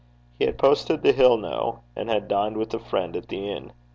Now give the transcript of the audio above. He had posted to Hillknow, and had dined with a friend at the inn.